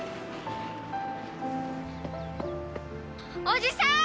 おじさーん！